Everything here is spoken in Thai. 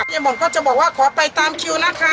หม่อนก็จะบอกว่าขอไปตามคิวนะคะ